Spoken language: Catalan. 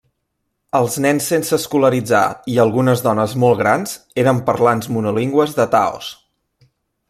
Els nens sense escolaritzar i algunes dones molt grans eren parlants monolingües de taos.